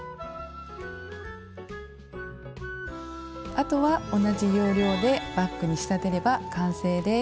あとは同じ要領でバッグに仕立てれば完成です。